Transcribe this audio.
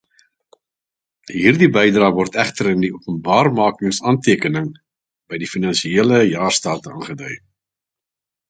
Hierdie bedrae word egter in die openbaarmakingsaantekening by die finansiële jaarstate aangedui.